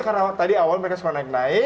karena tadi awal mereka suka naik naik terus